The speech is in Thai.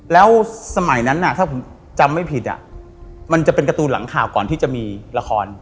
แล้วสมัยนั้นถ้าผมจำไม่ผิดมันจะเป็นการ์ตูนหลังข่าวก่อนที่จะมีละคร